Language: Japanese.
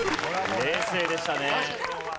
冷静でしたね。